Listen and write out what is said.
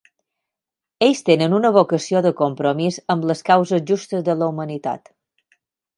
Ells tenen una vocació de compromís amb les causes justes de la humanitat.